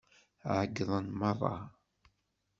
Ԑeyyḍen merra.